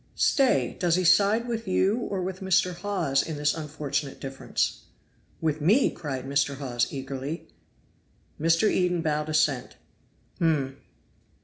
"Stay! does he side with you or with Mr. Hawes in this unfortunate difference?" "With me!" cried Mr. Hawes eagerly. Mr. Eden bowed assent. "Hum!"